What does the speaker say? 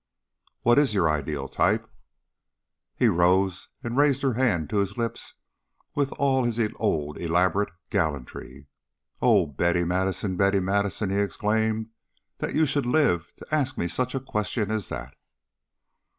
"What is your ideal type?" He rose and raised her hand to his lips with all his old elaborate gallantry. "Oh, Betty Madison! Betty Madison!" he exclaimed. "That you should live to ask me such a question as that?"